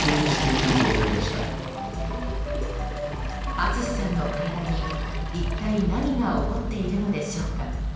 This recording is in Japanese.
ＡＴＳＵＳＨＩさんの体に一体何が起こっているのでしょうか。